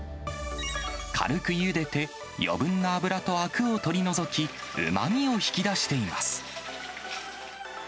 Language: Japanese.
軽くゆでて、余分な脂とあくを取り除き、うまみを引き出しています。